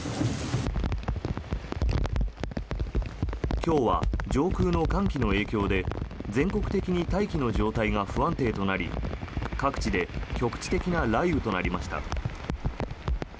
今日は上空の寒気の影響で全国的に大気の状態が不安定となり各地で局地的な雷雨となりました。